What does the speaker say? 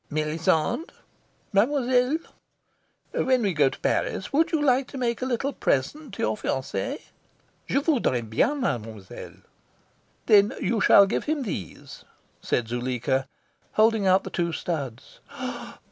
"Melisande!" "Mademoiselle?" "When we go to Paris, would you like to make a little present to your fiance?" "Je voudrais bien, mademoiselle." "Then you shall give him these," said Zuleika, holding out the two studs.